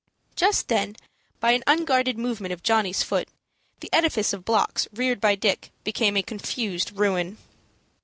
Just then, by an unguarded movement of Johnny's foot, the edifice of blocks reared by Dick became a confused ruin.